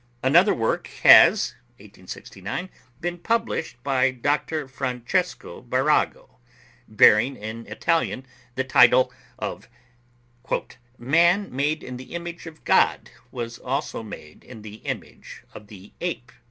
Another work has (1869) been published by Dr. Francesco Barrago, bearing in Italian the title of "Man, made in the image of God, was also made in the image of the ape.")